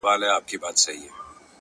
هوښیار انسان له تجربې نه ځواک اخلي،